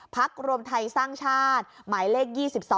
รวมไทยสร้างชาติหมายเลข๒๒